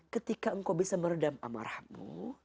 ketika engkau bisa meredam amarahmu